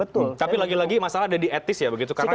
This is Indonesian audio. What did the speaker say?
tapi lagi lagi masalah ada di etis ya